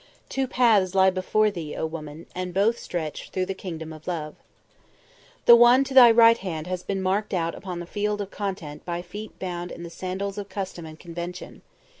"Two paths lie before thee, O woman, and both stretch, through the kingdom of love. "The one to thy right hand has been marked out upon the Field of Content by feet bound in the sandals of custom and convention.